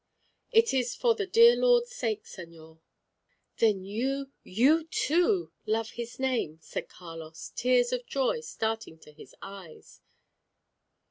"It is for the dear Lord's sake, señor." "Then you you too love his Name!" said Carlos, tears of joy starting to his eyes.